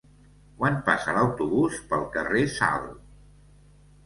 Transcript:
Quan passa l'autobús pel carrer Sal?